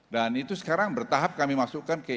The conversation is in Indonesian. dan itu sekarang bertahap kami masukkan ke eis